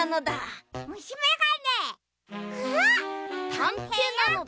たんていなのだ。